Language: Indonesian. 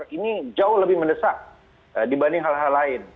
ini jauh lebih mendesak dibanding hal hal lain